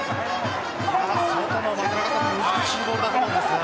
外の難しいボールだったと思うんですが。